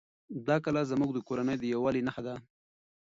دا کلا زموږ د کورنۍ د یووالي نښه ده.